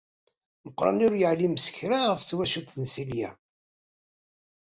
Meqqran ur yeεlim s kra ɣef twacult n Silya.